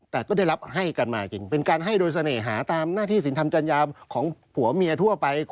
แต่ก็ได้รับให้กันมาจริงเป็นการให้โดยเสน่หาตามหน้าที่สินธรรมจัญญาของผัวเมียทั่วไป